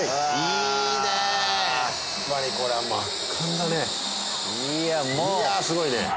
いやぁすごいね。